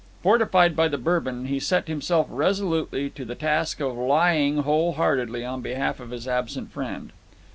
Fortified by the Bourbon, he set himself resolutely to the task of lying whole heartedly on behalf of his absent friend.